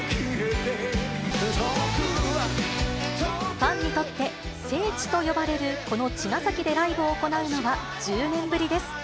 ファンにとって聖地と呼ばれるこの茅ヶ崎でライブを行うのは、１０年ぶりです。